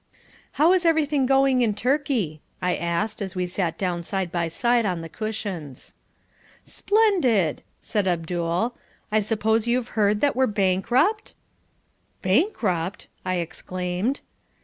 "How is everything going in Turkey?" I asked as we sat down side by side on the cushions. "Splendid," said Abdul. "I suppose you've heard that we're bankrupt?" "Bankrupt!" I exclaimed.